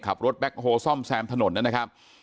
ขับรถแบ็คโฮล์ซ่อมแซมถนนนะครับ